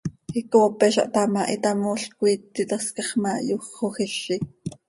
Icoopeza htá ma, hitamoolc coi iti tascax ma, xojizi.